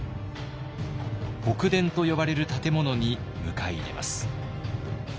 北殿と呼ばれる建物に迎え入れます。